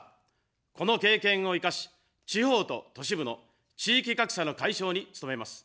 この経験を生かし、地方と都市部の地域格差の解消に努めます。